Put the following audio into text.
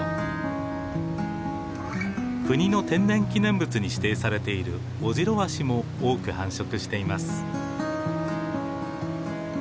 国の天然記念物に指定されているオジロワシも多く繁殖しています。